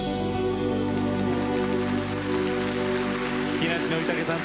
木梨憲武さん